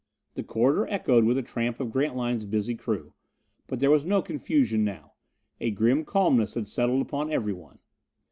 The corridor echoed with the tramp of Grantline's busy crew. But there was no confusion now; a grim calmness had settled upon everyone.